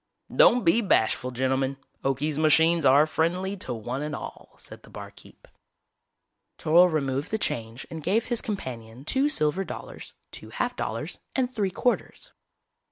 "Don't be bashful, gentlemen. Okie's machines are friendly to one and all," said the barkeep. Toryl removed the change and gave his companion two silver dollars, two half dollars and three quarters.